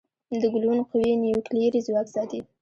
د ګلوون قوي نیوکلیري ځواک ساتي.